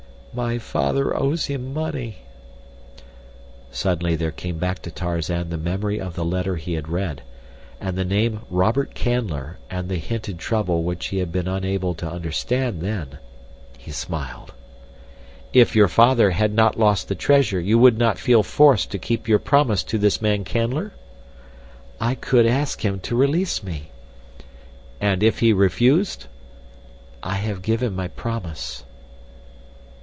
"My father owes him money." Suddenly there came back to Tarzan the memory of the letter he had read—and the name Robert Canler and the hinted trouble which he had been unable to understand then. He smiled. "If your father had not lost the treasure you would not feel forced to keep your promise to this man Canler?" "I could ask him to release me." "And if he refused?" "I have given my promise."